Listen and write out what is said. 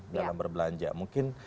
dalam berbelanja mungkin